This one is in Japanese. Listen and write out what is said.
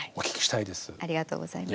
ありがとうございます。